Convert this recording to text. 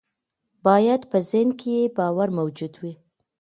بايد په ذهن کې باور موجود وي.